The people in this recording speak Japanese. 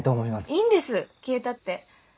いいんです消えたって。